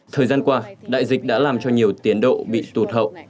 thời gian qua đại dịch đã làm cho nhiều tiến độ bị tụt hậu